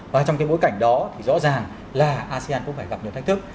và trong cái bối cảnh đó thì rõ ràng là asean cũng phải gặp nhiều thách thức